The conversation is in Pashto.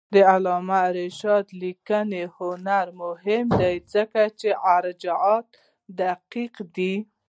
د علامه رشاد لیکنی هنر مهم دی ځکه چې ارجاعات دقیق دي.